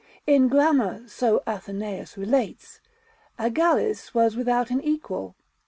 In grammar, so Athenæus relates, Agallis was without an equal.